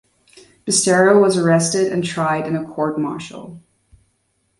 Besteiro was arrested and tried in a court martial.